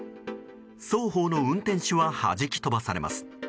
双方の運転手ははじき飛ばされます。